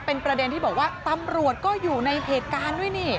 เป็นประเด็นที่บอกว่าตำรวจก็อยู่ในเหตุการณ์ด้วยนี่